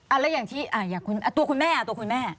แล้วอย่างที่ตัวคุณแม่ตัวคุณแม่